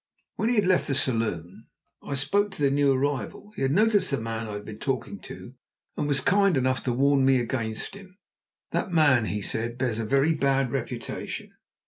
When he had left the saloon I spoke to the new arrival. He had noticed the man I had been talking to, and was kind enough to warn me against him. "That man," he said, "bears a very bad reputation.